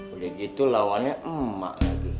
udah gitu lawannya emak